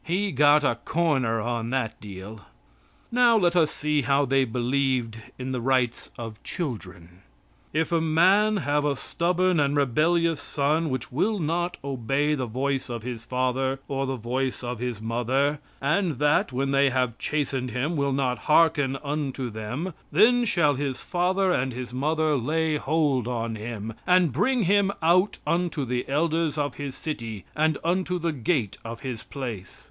He got a corner on that deal. Now let us see how they believed in the rights of children: "If a man have a stubborn and rebellious son which will not obey the voice of his father, or the voice of his mother, and that, when they have chastened him, will not harken unto them, then shall his father and his mother lay hold on him, and bring him out unto the elders of his city, and unto the gate of his place.